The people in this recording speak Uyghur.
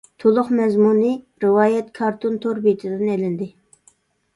تولۇق مەزمۇنى رىۋايەت كارتون تور بېتىدىن ئېلىندى.